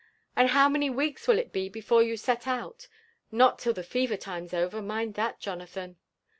^^Aod how many weeks will it be afore you s^ft out? — not till the fever time's over, mind that, Jonathan."